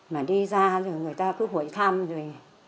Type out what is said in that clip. mà đi ra rồi người ta cứ hội thăm rồi